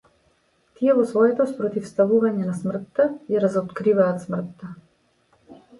Тие во своето спротивставување на смртта ја разоткриваат смртта.